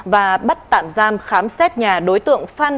và bắt tạm giam khám xét nhà đối tượng phan